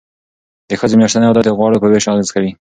د ښځو میاشتنی عادت د غوړو په ویش اغیز کوي.